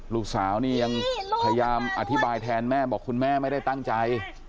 ลูกสาวนี่ยังพยายามอธิบายแทนแม่บอกคุณแม่ไม่ได้ตั้งใจ